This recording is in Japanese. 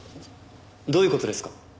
どういう事ですか？